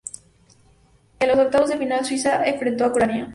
En los octavos de final, Suiza enfrentó a Ucrania.